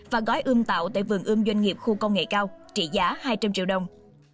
và gói ưm tạo tại vườn ươm doanh nghiệp khu công nghệ cao trị giá hai trăm linh triệu đồng